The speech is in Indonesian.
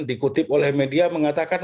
dikutip oleh media mengatakan